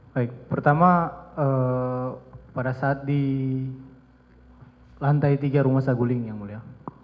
baik pertama pada saat di lantai tiga rumah saguling yang mulia